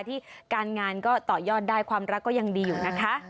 ที่การงานก็ต่อยอดได้ความรักก็ยังดีอยู่นะคะ